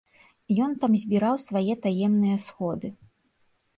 Ён там збіраў свае таемныя сходы.